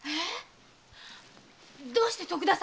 どうして徳田様が？